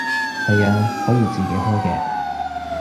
係啊，可以自己開嘅